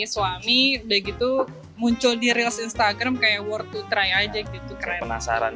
suami begitu muncul di instagram kayak worth to try aja gitu keren penasaran